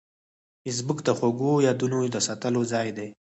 فېسبوک د خوږو یادونو د ساتلو ځای دی